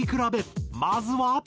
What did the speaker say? まずは。